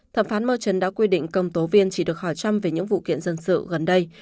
thẩm phán murchon đã quy định công tố viên chỉ được hỏi trăm về những vụ kiện dân sự gần đây